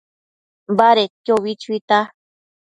Badedquio ubi chuita